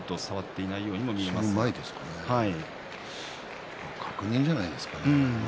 その前ですかね確認じゃないですかね